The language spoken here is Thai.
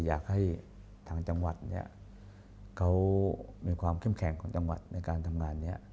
อยากให้ทางจังหวัดเนี่ยเขามีความเข้มแข็งของจังหวัดในการทำงานนี้